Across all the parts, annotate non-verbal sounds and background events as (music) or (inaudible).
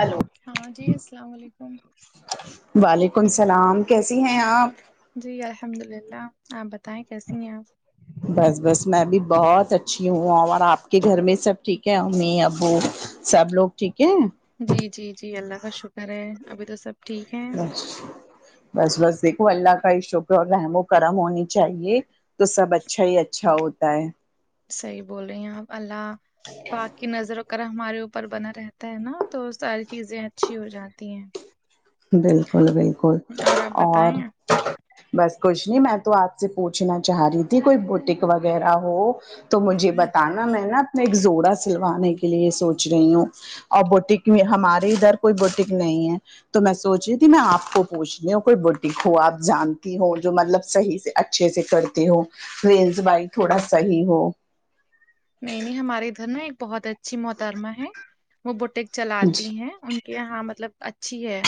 Hello ہاں جی السلام علیکم وعلیکم السلام کیسی ہیں آپ جی الحمد للہ آپ بتائیں کیسی ہیں آپ بس بس میں بھی بہت اچھی ہوں اور آپ کے گھر میں سب ٹھیک ہے امی ابو سب لوگ ٹھیک ہے جی جی جی اللہ کا شکر ہے ابھی تو سب ٹھیک ہیں بس بس دیکھو اللہ کا ہی شکر اور رحم و کرم ہونی چاہیے تو سب اچھا ہی اچھا ہوتا ہے صحیح بول رہی ہیں آپ اللہ پاک کی نظروں ا ہمارے اوپر بنا رہتا ہے نا تو ساری چیزیں اچھی ہو جاتی ہیں بالکل بالکل آپ بتائیں اور بس کچھ نہیں میں تو آپ سے پوچھنا چاہ رہی تھی کوئی بوٹک وغیرہ ہو تو مجھے بتانا میں نا اپنا ایک زوڑا سلوانے کے لیے سوچ رہی ہوں اوربوٹک کے ہمارے ادھر کوئی بوٹک نہیں ہے تو میں سوچ رہی تھی میں آپ کو پوچھنے ہوں کوئی بوٹک ہو آپ جانتی ہو جو ملب صحیح سے ہے اچھے سے کرتے ہو ریلز بائی تھوڑا صحیح ہو نہیں نہیں ہمارے ادھر نا ایک بہت اچھی محترمہ ہے وہ بوٹیک چلاتی جی ہیں ان کہ ہاں مطلب اچھی ہے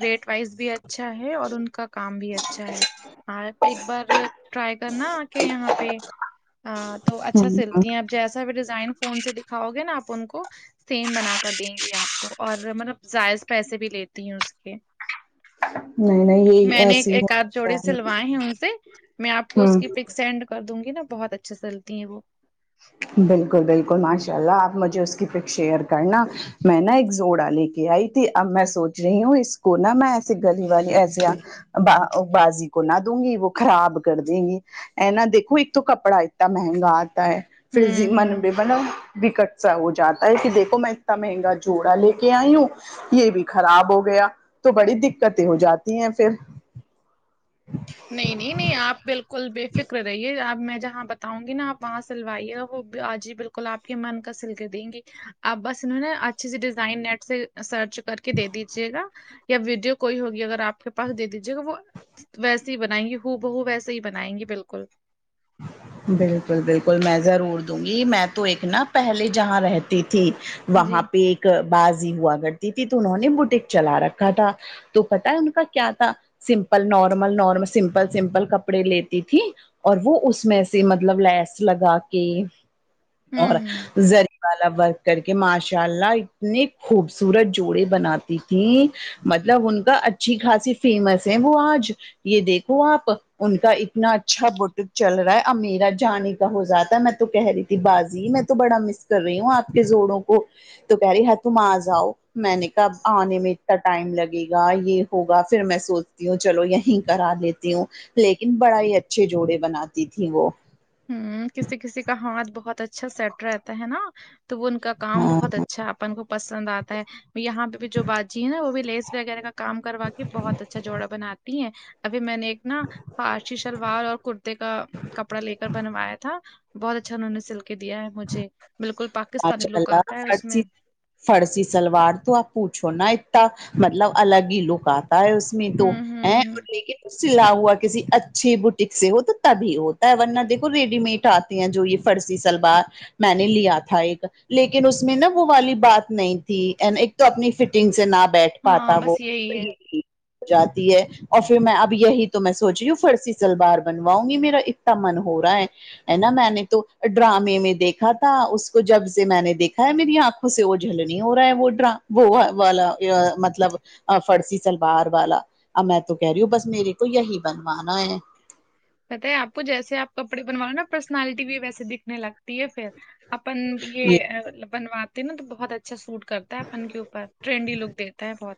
ریٹ وائز بھی اچھا ہے اور ان کا کام بھی اچھا ہے ہاں ایک بار ٹرائی کرنا آ کے یہاں پہ تو ا اچ ہ تی ہیں اپ جیسا بھی ڈیزائن فون سے دکھاؤ گے ناپ ان کو سیم بنا کر دیں گی آپ کو اور ملب جائز پیسے بھی لیتی ہیں اس کے نہیں نہیں یہی میں نے ایسی ایک آاتھ ہو جوڑے سلوائے ہیں ان سے میں آپ کو اس ہ کی پک سینڈ کر دوں گی نا بہت اچھے سیلتی ہیں وہ بالکل بالکل ماشاء اللہ آپ مجھے اس پک شیئر کرنا میں نا ایک زوڑا لے کے آئی تھی اب میں سوچ رہی ہوں اس کو نہ میں ایسی گلی والی ایسے بازی کو نہ دوں گی وہ خراب کر دیں گی ا نہ دیکھو ایک تو کپڑا اتنا مہنگا آتا ہے فھرزی ہوں ہوں منے بناؤ بھیکٹ سا ہو جاتا ہے کہ دیکھو میں اتنا مہنگا جوڑا لے کے آئی ہوں یہ بھی خراب ہو گیا تو بڑی دقتیں ہو جاتی ہیں پھر نہیں نہیں نہیں آپ بالکل بے فکر رہیے آپ میں جہاں ب بتاؤں گی نا آپ وہاں سلوائیے وہ باجی بالکل آپ کے من کا سل کر دیں گی اپ بس انہوں نے اچھیے سے ڈیزائن نیٹ سے سرچ کر کے دے دیجیے گا یا ویڈیو کوئی ہوگی اگر آپ کے پاس دے دیجے گا وہ ویسے ہی بنائیں گی ہو بہو ویسے ہی بنائیں گی بالکل (unintelligible) بالکل بالکل میں ضرور دوں گی میں تو ایک نا پہلے جہاں رہتی تھی جی وہاں پہ ایک بازی ہوا کرتی تھی تو انہوں نے بوڈ بوٹک چلا رکھا تھا تو پتا ہے ان کا کیا تھا simple normal normal simple simple کپڑے لیتی تھی اور وہ اس میں سے مطلب لس لگا کے اور ہوں ہوں زری والا ورک کر کے ماشاء اللہ اتنی خوبصورت جوڑے بناتی تھی مطلب ان کا اچھی خاصی فیمس ہے وہ آج یہ دیکھو آپ ان کا اتنا اچھا بتک چل رہا ہے اب میرا جانے کا ہو جاتا ہے میں تو کہہ رہی تھی بازی میں تو بڑا مس کر رہی ہوں آپ کے زوڑوں کو تو کہہ رہی تم آ جاؤ میں نے کہ آنے میں ٹائم لگے گا یہ ہوگا پھر میں سوچتی ہوں چلو یہیں کرا لیتی ہوں لیکن بڑا ہی اچھے جوڑے بناتی تھی وہ ہم کسی کسی کا ہاتھ بہت اچھا سیٹ رہتا ہے نا تو وہ ان کا کام ہاں بہت اچھا اپن کو پسند آتا ہے یہاں پہ بھی جو باجی ہے نا وہ بھی لیس وغیرہ کا کام کروا کے بہت اچھا جوڑا بناتی ہیں ابھی میں نے ایک نا فرشی شلوار اور کرتے کا کپڑا لے کر بنوایا تھا تھا بہت اچھا انہوں نے سل کے دیا ہے مجھے بالکل پاکستانی لک آتا ہے اس میں فرشی سلوار تو آپ پوچھو نا اتنا مطلب الگ ہی لک آتا ہے اس میں تو ہوں ہے ہوں ہوں اور لیکن سلا ہوا کسی اچھی بوٹک سے ہو تو تبھی ہوتا ہے ورنہ دیکھو ریڈی میڈ آتا ہیں جو یہ فرسی شلوار میں نے لیا تھا ایک لیکن اس میں نا وہ والی بات نہیں تھی ایک تو اپنی فٹنگ سے نہ بیٹھ ہاں پاتا وہ بس یہی ہے یہ ہو جاتی ہے اور پھر میں اب یہی تو میں سوچ رہی ہوں فرسی سلوار بنواؤں گی میرا اتنا من ہو رہا ہے ہے نا میں نے تو ڈرامے میں دیکھا تھا اس کو جب سے میں نے دیکھا ہے میری آنکھوں سے وہ الجھن ہو رہا ہے وہ ڈرا وہ والا مطلب فرسی سلوار والا اب میں تو کہہ رہی ہوں بس میرے کو یہی بنوانا ہے بتائی آپ کو جیسےاپ کپڑے بنواؤ نا پرسنالٹی بھی وسے دکھ نے لگتی ہے پھر اپن یہ بنواتے نا تو بہت اچھا سوٹ کرتا ہے اپن کے اوپر ٹرینڈی لک دیتا ہے بہت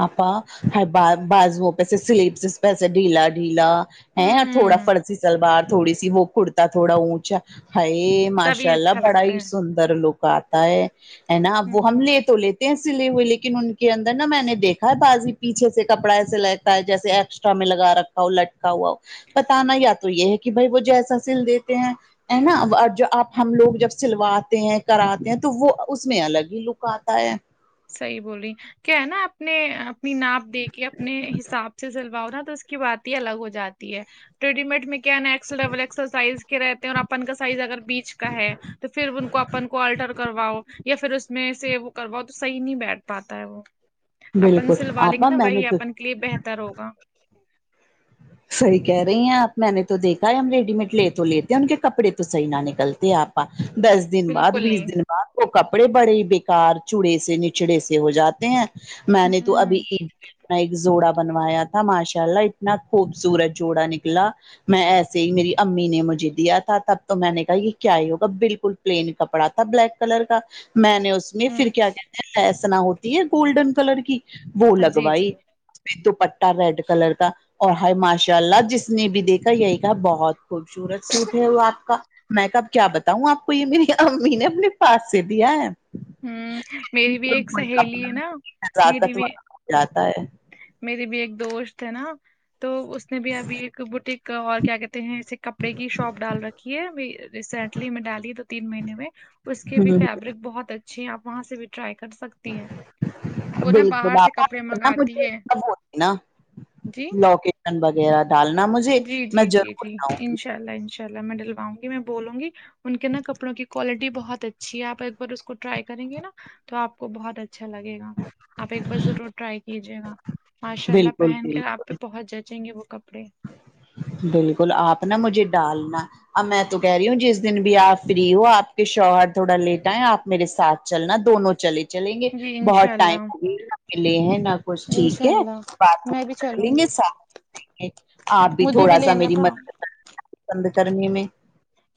آپا بازو پہ سے سلیپس پہ سے ڈھیلا ڈھیلا ہے تھوڑا ہوں فرسی سلوار تھوڑی سی وہ کرتا تھوڑا اونچا ہیے ماشاء تبھی اللہ اچھا بڑا لگتا ہی ہے سندر ر لو کا آتا ہے ہے نا اب وہ ہم ہوں لے تو لیتے ہیں سلے ہوئے لیکن ان کی اندر نا میں نے دیکھا ہے بازی پیچھے سے کپڑا ایسے لگتا ہے جیے ایکسٹرا میں لگا رکھ لٹکا ہوا ہو پتا نا یا تو یہ ہے کہ بھائی وہ جیسا سل دیتے ہیں ہے نا جو آپ ہم لوگ جب سلواتے ہیں کراتے ہیں تو وہ اس میں الگ ہی لک آتا ہے صحیح بولی رہی ہے کیا ہے نا اپنے اپنی ناپ دے کے اپنے حساب سے سلواؤ نا تو اس کی بات الگ ہو جاتی ہے ریڈی میڈ میں کیا نا ایکس ڈبل ایکسر سائز کے رہتے ہیں اور اپن کا سائز اگر بیچ کا ہے تو پھر ان کو اپن کو الٹر کرواؤ یا پھر اس اس میں سے وہ کرواؤ تو صحیح نہیں بیٹھ پاتا ہے وہ اپن بالکل سلوا لیں گے آپا نا میں نے وہی تو اپن لیے بہتر ہوگا صحیح کہہ رہی ہیں آپ میں نے تو دیکھا ہے ہم ریڈی میڈ لے تو لیتے ہیں ان کے کپڑے تو صحیح نہ نکلتے آپ دس دن بعد بالکل بیس نہیں دن تو کپڑے بڑے بےکار چوڑے سے نچڑے سے ہو جاتے ہیں میں نے تو ابھی ہوں عید پے نا ایک اپنا ایک زوڈا بنوایا تھا ماشاء اللہ اتنا خوبصورت جوڑا نکلا میں ایسے ہی میری امی نے مجھے دیا تھا تب تو میں نے کہا یہ کیا ہی ہوگا بالکل پلین کپڑا تھا بلیک کلر کا میں نے اس میں ہوں پھر کیا کہتے ہیں لیس نہ ہوتی ہے گولڈن کلر کی وہ ہاں جی لگوائی جی پ دوپٹہ ریڈ کلر کا اور ہے ماشاء اللہ جس نے بھی دیکھا یہی کہ بہت خوبصورت سوٹ ہے وہ آپ کا میں کہ اب کیا بتاؤں آپ کو یہ میری امی نے اپنے پاس سے دیا ہے ہوں میری بھی ب ایک کو سہیلی ہے نا میری کزقت بھی والا ہو جاتا ہے (unintelligible) میری بھی ایک دوست ہے نا تو اس نے بھی ابھی ایک بوٹیک اور کیا کہتے ہیں کپڑے کی شاپ ڈال رکھی ہے ریسنٹلی میں ڈالی ہے دو تین مہینے میں اس کے بھی ہمم فیبرک بہت اچھی ہیں آپ وہاں سے بھی ٹرائی کر سکتے ہے وہ نا باہر بالکل سے آپ کپڑے نا منگا سب ہوتے نا لوکیشن وغیرہ ڈالنا مجھے جی میں جی جی ضرور جی جاؤں گی انشاء اللہ انشاء اللہ میں ڈلواوں گی میں بولوں گی ان کے نا کپڑوں کی کوالٹی بہت اچھ ھی ہے آپ ایک بار اس کو ٹرائی کریں گے نا تو آپ کو بہت اچھا اچھا لگے گا آپ ایک بار ضرور ٹرائی کیجیے گا گی ماشاء اللہ بالکل پہن کر بالکل آپ پہ بہت جچے گے وہ کپڑے بالکل آپ نا مجھے ڈالنا اب میں تو کہہ رہی ہوں جس دن بھی آپ فری ہو آپ کے شوہر تھوڑا لیٹ آئے آپ میرے ساتھ چلنا دونوں چلے چلیں گے جی انشاء بہت اللہ ٹائم نہ ملے ہیں نہ کچھ ٹھیک انشاء ہے اللہ بات میں بھی ر کر چلوں لیں گے گی ساتھ چلیں گے آپ بھی مجھے تھوڑا سا لینا میری تھا مدد کرنا پسند کرنے میں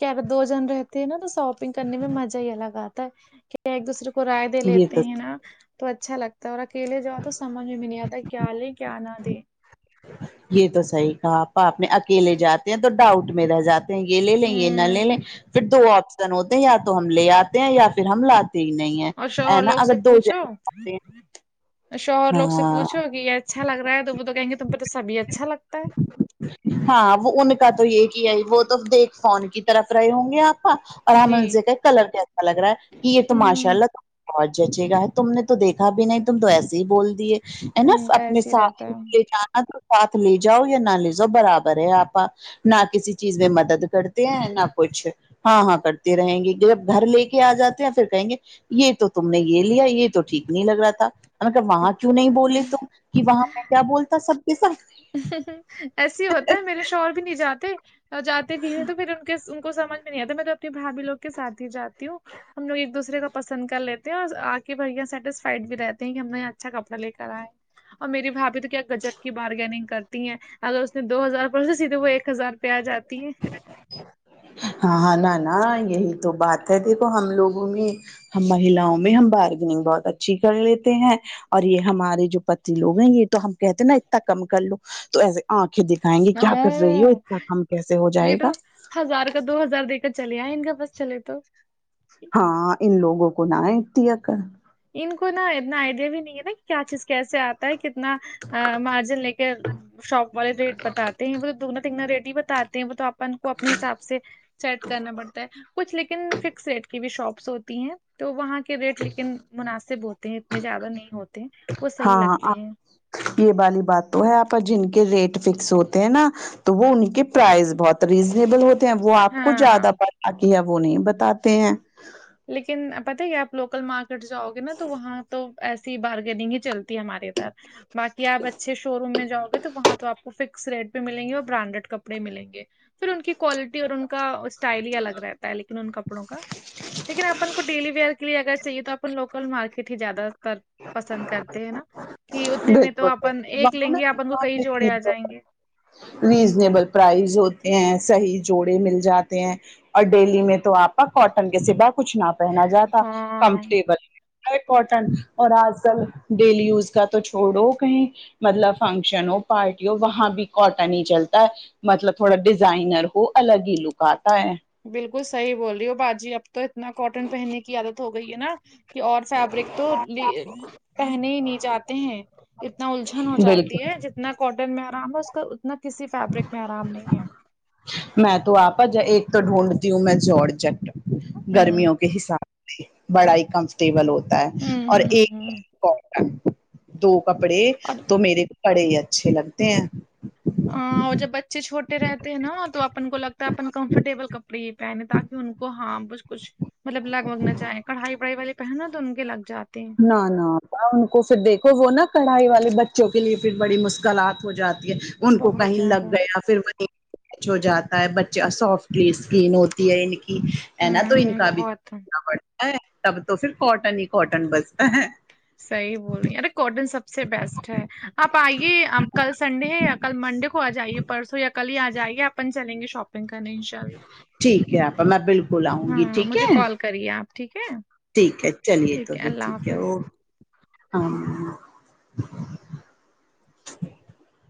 جب دو جن رہتے ہیں نا تو شاپنگ کرنے میں مزہ ہی الگ آتا ہے کیا ایک دوسرے کو کو رائے دے یہ لیتے تو ہیں نا تو اچھا لگتا تو اکیلے جاؤ تو سمجھ میں بھی نہیں آتا کیا لیں کیا نہ دیں یہ تو صحیح کہا آپا اپ نے اکیلے جاتے ہیں تو ڈاؤٹ میں رہ جاتے یہ لے لیں یہ نہ ہوں لے لیں پھر دو آپ شن ہوتے یا تو ہم لے آتے ہیں یا پھر ہم لاتے ہی نہیں ہیں اور ہے شوہر نا لوگ سے اگر دو پوچھو جنے جاتے ہیں۔ شوہر لوگ سے ہاں پوچھو کہ یہ اچھا لگ رہا ہے تو وہ تو کہیں گے تم پہ تو سبھی اچھا لگتا ہے ہاں وہ ان کا تو یہ ایک ہی ہے وہ تو دیکھ فون کی طرف رہے ہوں گے آپا اور ہم جی انسے کہے کہ کلر کیسا لگ رہا ہے کہ یہ تو ماشاء ہوں اللہ اور جچے کہاں ہے تم نے تو دیکھا بھی نہیں تم تو ایسے ہی بول دے ہے نا ان کا اپنے ایسے ہی رہتا ساتھ لے ہے جانا تو ساتھ لیے جاؤ یا نہ لیے جاؤ برابر ہے آپا نہ کسی چیز میں مدد کرتے ہیں نہ کچھ ہاں ہاں کرتے رہیں گے جب گھر لے کے آ جاتے ہیں پھر کہیں گے یہ تو تم نے یہ لیا یہ تو ٹھیک نہیں لگ رہا تھا مطگر وہاں کیوں نہیں بولے تو کہ وہاں میں کیا بولتا سب کے ساتھ ایسے ہی ہوتا ہے میرے شوہر بھی نہیں جاتے اور جاتے بھی ہیں تو پھر ان ان کو سمج میں نہیں آتا میں تو اپنے بھابھی لوگ کے ساتھ ہی جاتی ہوں ہم لو ایک دوسرے کا پسند کر لیتے ہیں اور آکے بھیا سیٹسفائڈ بھی رہتے ہیں کہ ہم نے اچھا کپڑا لے کر آئے اور میری بھابی تو کیا گجب کی بارگیننگ کرتی ہیں اگر اس نے دو ہزار پر سے سیدھے وہ ایک ہزار پہ آ جاتی ہے ہاں ہاں نہ نہ یہی تو بات ہے دیکھو ہم لوگوں میں ہم مہلاؤں میں ہم بارگننگ بہت اچھی کر لیتے ہیں اور یہ ہمارے جو پتی لوگ ہیں یہ تو ہم کہتے ہیں نا اتنا کم کر لو تو ایسے آنکھیں دکھائیں گے کیا کر رہی ہیں ہو اتنا کم کیسے ہو یہ جائے گا تو ہزار دو ہزار دے کےچلے آے ان کا بس چلے تو ہاں ان لوگوں کو نہ آے اتنی اکڈ ان کو نا اتنا آئیڈیا بھی نہیں ہے نا کہ کیا چیز کیسے آتا ہے کتنا مارجن لے کے شاپ والے ریٹ بتاتے ہیں وہ تو دگنا تگنا ریٹ ہی بتاتے ہیں وہ توپ اپن کو اپنے حساب سے سیٹ کرنا پڑتا ہے کچھ لیکن فکس ریٹ کی بھی شاپس ہوتی ہیں تو وہاں کے ریٹ لیکن مناسب ہوتے ہیں اتنے زیادہ نہیں ہوتے وہ صحیح ہاں لگتے ہیں یہ والی بات تو ہے آپا جن کے ریٹ فکس ہوتے ہیں نا تو وہ ان کے پرائز بہت ریزنیبل ہوتا کیا وہ آپ کو ہاں زیادہ پتا کیا وہ نہیں بتاتے ہیں لیکن پتا ہے کہ آپ لوکل مارکیٹ جاؤ گے نا تو وہاں تو ایسی بارگیننگ ہی چلتی ہمارے ادھر باکی آپ اچھے شو روم میں جاؤ گ تو وہاں تو آپ کو فکس ریٹ پے ملیں گے اور برانڈیڈ کپڑے ملیں گے پھر ان کی کوالٹی اور ان کو کا اسٹائل ہی الگ رہتا ہے لیکن ان کپڑوں کا لیکن اپن کو ڈیلی ویئر کے لیے اگر چاہیے تو اپن لوکل مارکیٹ ہی زیادہ تر پسند کرتے ہیں نا کہ اتنے میں تو بالکل اپن ایک لیں گے اپن کو کئی جوڑے آ بالکل جائیں گے ریزنیبل پرائز ہوتے ہیں صحیح جوڑے مل جاتے ہیں اور ڈیلی میں تو آپا کاٹن کے سبا کچھ نہ پہنا جاتا ہاں کمفرٹیبل ہے کاٹن اور آج کل ڈیلی یوز کا تو چھوڑو کہیں مطلب فنکشن ہو پارٹی ہو وہاں بھی کاٹن ہی چلتا ہے مطلب تھوڑا ڈیزائنر ہو الگ ہی لک آتا ہے بالکل صحیح بول رہی ہو باجی اب تو اتنا کاٹن پہننے کی عادت ہو گئی ہے نا کہ اور فیبرک تو پہنے ہی نہیں جاتے ہیں اتنا الجھن ہو جاتی بالکل ہے جتنا کاٹن میں آرام ہے اس کا اتنا کسی فیبرک میں آرام نہیں ہے میں تو آپ ج ایک تو ڈھونڈتی ہوں میں جوڑ چٹ ہوں گرمیوں کے حساب سے بڑا ہی کمفرٹیبل ہوتا ہے ہوں اور ہوں ہوں ایک دو کپڑے اور تو میرے کو بڑے ہی اچھے لگتے ہیں اور جب بچے چھوٹے رہتے ہیں نا تو اپن کو لگتا ہے اپن کمفرٹیبل ک کپڑے پہنے تاکہ ان کو ہاں ب کچھ مطلب لگ بگ نہ جائےیں کڑھائی بڑھائی والے پہننا تو ان کے لگ جاتے ہیں نہ نہ آپا ان کو پھر دیکھو وہ نا کڑھائی والے بچوں کے لیے پھر بڑی مشکلات ہو جاتی ہے ان کو بہت کہیں زیادہ لگ ہوں گیا پھر وہیں کچھ ہو جاتا ہے بچے سافٹلی اسکن ہوتی ہے ان کی ہے نا تو ان ہوں کا بھی بہت (unintelligible) پڑتا ہے تب تو پھر کاٹن ہی کاٹن بجتا ہے صحیح بول رہی ہےارے کوٹن سب سے بیسٹ ہے آپ آئیے آپ کل سنڈے یا کل منڈے کو آجائیے پرسوں یا کل ہی آ جائیے اپن چلیں گے شاپنگ کرنے ان شاء اللہ ٹھیک ہے آپا میں بلکل آؤں گی ہاں ٹھیک مجھے ہے کال کریے آپ ٹھیک ہے ٹھیک ہے چلیے تو پھر ٹھیک ہے او ہاں